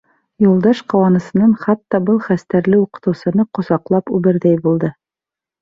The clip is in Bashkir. Юлдаш ҡыуанысынан хатта был хәстәрле уҡытыусыны ҡосаҡлап үберҙәй булды.